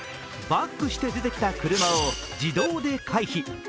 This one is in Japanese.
バックして出てきた車を自動で回避。